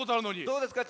どうですか？